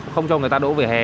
không cho người ta đỗ vỉa hè